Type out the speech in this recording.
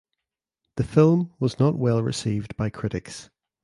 The film was not well received by critics.